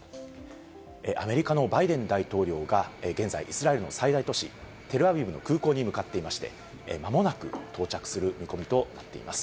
アメリカのバイデン大統領が現在、イスラエルの最大都市、テルアビブの空港に向かっていまして、まもなく到着する見込みとなっています。